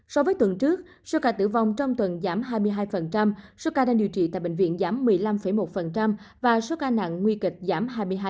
so với tuần trước số ca tử vong trong tuần giảm hai mươi hai số ca đang điều trị tại bệnh viện giảm một mươi năm một và số ca nặng nguy kịch giảm hai mươi hai